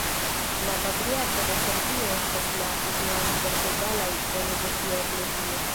La Patriarko de Serbio estas la unua inter egalaj ene de sia eklezio.